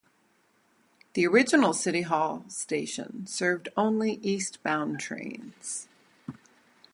The original City Hall Station served only eastbound trains.